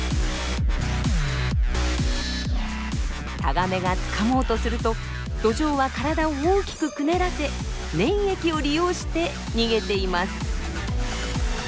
タガメがつかもうとするとドジョウは体を大きくくねらせ粘液を利用して逃げています。